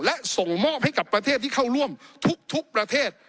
และส่งมอบให้กับประเทศที่เข้าร่วมทุกประเทศ